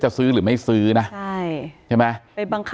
อ๋อเจ้าสีสุข่าวของสิ้นพอได้ด้วย